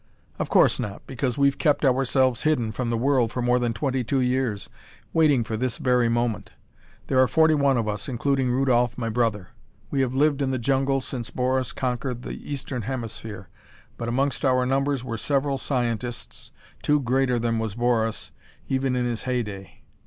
"Of course not, because we've kept ourselves hidden from the world for more than twenty two years, waiting for this very moment. There are forty one of us, including Rudolph, my brother. We have lived in the jungle since Boris conquered the Eastern Hemisphere. But amongst our numbers were several scientists, two greater than was Boris, even in his heyday.